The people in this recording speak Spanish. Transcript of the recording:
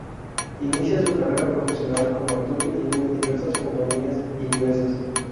Inicia su carrera profesional como actor bilingüe en diversas compañías inglesas.